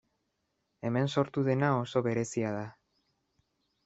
Hemen sortu dena oso berezia da.